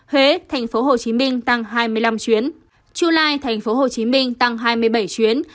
huế tp hcm tăng hai mươi năm chuyến chu lai tp hcm tăng hai mươi bảy chuyến